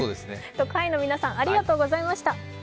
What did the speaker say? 特派員の皆さん、ありがとうございました。